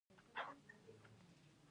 آیا انځر په کڅوړو کې بندیږي؟